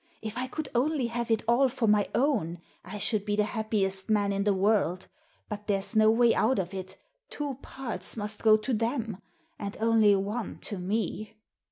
" If I could only have it all for my own, I should be the happiest man in the world ; but there's no way out of it, two parts must go to them, and only one to me."